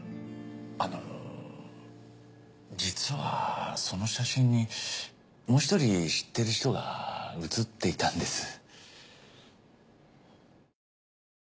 あの実はその写真にもう一人知ってる人が写っていたんです。